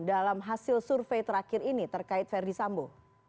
dalam hasil survei terakhir ini terkait verdi sambo